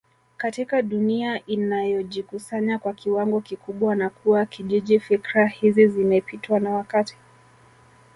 katika dunia inayojikusanya kwa kiwango kikubwa na kuwa kijiji fikra hizi zimepitwa na wakati